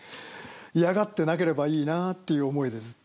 嫌がってなければいいなっていう思いでずっと。